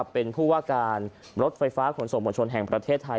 เป็นผู้ว่าการรถไฟฟ้าขนส่งมวลชนแห่งประเทศไทย